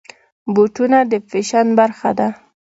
بوټونه د فیشن برخه ده.